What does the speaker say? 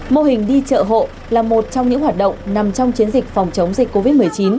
mô hình đi chợ hộ là một trong những hoạt động nằm trong chiến dịch phòng chống dịch covid một mươi chín